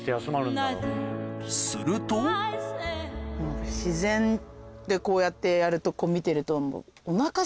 すると自然ってこうやってやるとこう見てるともう。